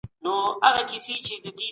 د بدن غړي سره تړلي دي.